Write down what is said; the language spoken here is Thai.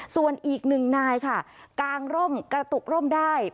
ส่วนอีกหนึ่งนายค่ะกางร่มกระตุกร่มได้